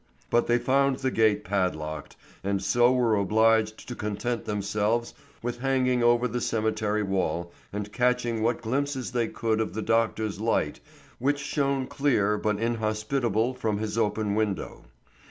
But they found the gate padlocked, and so were obliged to content themselves with hanging over the cemetery wall and catching what glimpses they could of the doctor's light which shone clear but inhospitable from his open window.